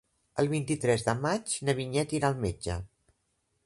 El vint-i-tres de maig na Vinyet irà al metge.